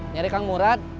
cari kang murad